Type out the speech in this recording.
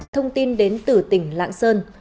thông tin đến từ tỉnh lãng sơn